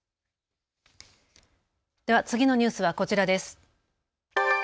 では次のニュースはこちらです。